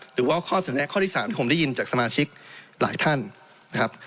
หรือว่าข้อเสนอแน่ข้อที่๓ที่ผมได้ยินจากสมาชิกหลายท่านนะครับ